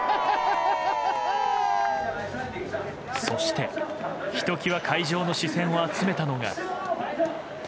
そして、ひと際会場の視線を集めたのが。